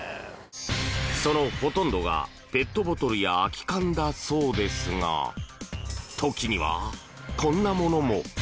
そのほとんどがペットボトルや空き缶だそうですが時には、こんなものも！